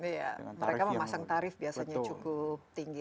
iya mereka memasang tarif biasanya cukup tinggi